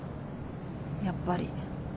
やっぱり。